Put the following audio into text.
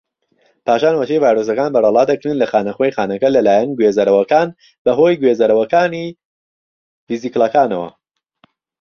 پاشان وەچەی ڤایرۆسەکان بەرەڵا دەکرێن لە خانەخوێی خانەکە لەلایەن گوێزەرەوەکان بەهۆی گوێزەرەوەکانی ڤیسیکڵەکانەوە.